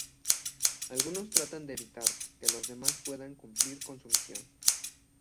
Algunos tratan de evitar que los demás puedan cumplir con su misión.